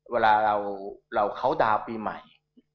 เวลาเราเข้าดาวน์ปีใหม่